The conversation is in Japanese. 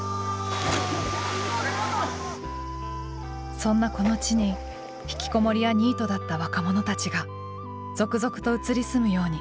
そんなこの地に引きこもりやニートだった若者たちが続々と移り住むように。